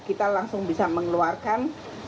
kita langsung bisa mengeluarkan